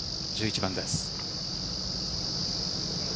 １１番です。